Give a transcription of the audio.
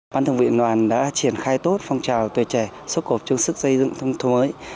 bản thân viện đoàn đã triển khai tốt phong trào tuổi trẻ xúc hợp chung sức xây dựng nông thôn mới